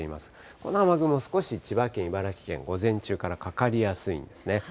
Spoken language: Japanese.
この雨雲、少し千葉県、茨城県、午前中からかかりやすいんですね。